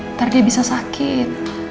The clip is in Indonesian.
ntar dia bisa sakit